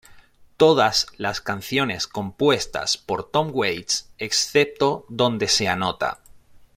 Todas las canciones compuestas por Tom Waits excepto donde se anota.